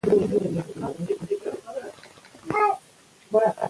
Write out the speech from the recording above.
تیاره په کوټه کې خپره ده.